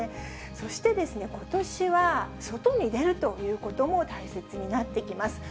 そしてですね、ことしは外に出るということも大切になってきます。